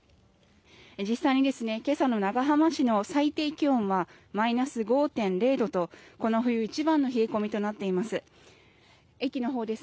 実際に今朝の長浜市の最低気温はマイナス５．０度とこの冬一番の冷え込みとなっています。